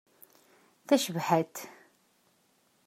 Tacebḥant.